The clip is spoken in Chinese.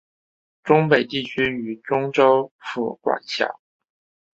忠北地区由忠州府管辖。